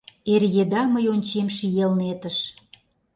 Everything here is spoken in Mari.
Эр еда мый ончем ший Элнетыш.